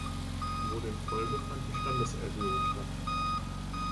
Wohl in Folge fand die Standeserhöhung statt.